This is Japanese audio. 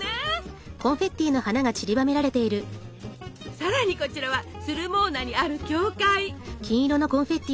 さらにこちらはスルモーナにある教会！